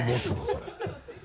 それ。